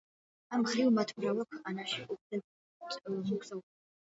ამ მხრივ მათ მრავალ ქვეყანაში უხდებათ მოგზაურობა.